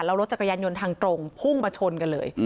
แล้วรถจักรยานยนต์ทางตรงพุ่งมาชนกันเลย